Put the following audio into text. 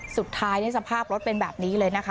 สภาพรถเป็นแบบนี้เลยนะคะ